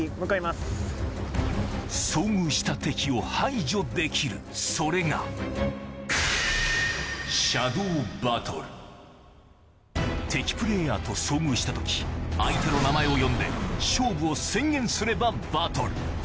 遭遇した敵を排除できるそれが敵プレイヤーと遭遇した時相手の名前を呼んで勝負を宣言すればバトル！